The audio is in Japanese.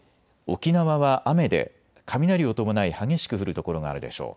沖縄は雨で雷を伴い激しく降る所があるでしょう。